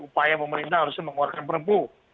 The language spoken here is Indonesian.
upaya pemerintah harusnya mengeluarkan perpu